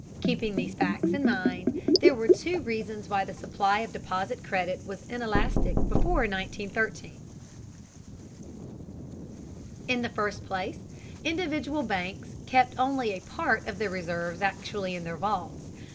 Keeping these facts in mind, there were two reasons why the supply of deposit credit was inelastic before 1913. In the first place, individual banks kept only a part of their reserves actually in their vaults.